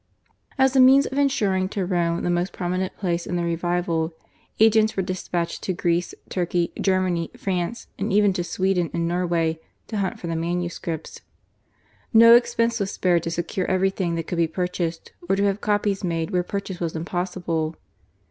As a means of ensuring to Rome the most prominent place in the revival, agents were dispatched to Greece, Turkey, Germany, France, and even to Sweden and Norway, to hunt for manuscripts. No expense was spared to secure everything that could be purchased or to have copies made where purchase was impossible.